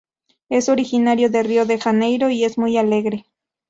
Es originario de Río de Janeiro y es muy alegre.